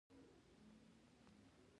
سرحدونه د افغانستان د طبعي سیسټم توازن ساتي.